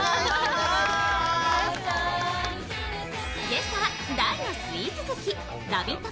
ゲストは大のスイーツ好き、ラヴィット！